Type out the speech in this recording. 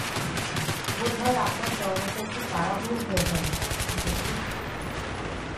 বোধহয় আপনার জড়ানোটা একটু তাড়াহুড়ো হয়ে যায়, ডিটেকটিভ।